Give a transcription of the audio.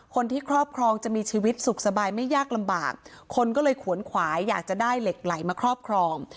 ครอบครองจะมีชีวิตสุขสบายไม่ยากลำบากคนก็เลยขวนขวายอยากจะได้เหล็กไหลมาครอบครอง